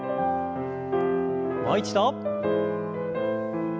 もう一度。